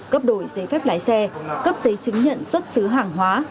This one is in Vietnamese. cấp đổi giấy phép lái xe cấp giấy chứng nhận xuất xứ hàng hóa